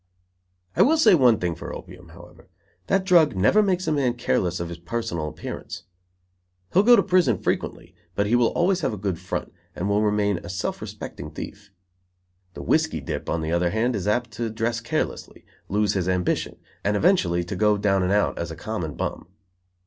I will say one thing for opium, however. That drug never makes a man careless of his personal appearance. He will go to prison frequently, but he will always have a good front, and will remain a self respecting thief. The whiskey dip, on the other hand, is apt to dress carelessly, lose his ambition and, eventually to go down and out as a common "bum".